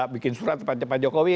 bikin surat kepada pak jokowi